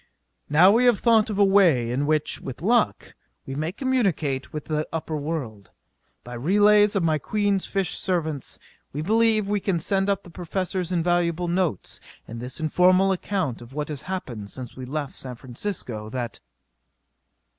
Now we have thought of a way in which, with luck, we may communicate with the upper world. By relays of my Queen's fish servants we believe we can send up the Professor's invaluable notes[A] and this informal account of what has happened since we left San Francisco that....